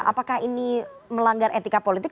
apakah ini melanggar etika politik